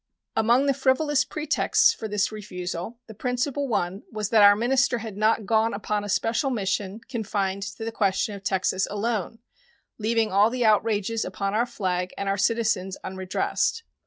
Among the frivolous pretexts for this refusal, the principal one was that our minister had not gone upon a special mission confined to the question of Texas alone, leaving all the outrages upon our flag and our citizens unredressed.